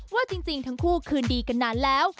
ว่าจริงทั้งคู่คืนดีกันนานแล้ว